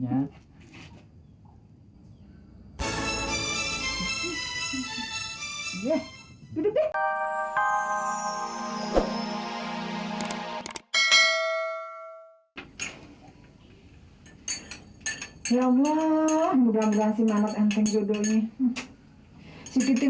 ya allah mudah mudahan si mamat enteng judulnya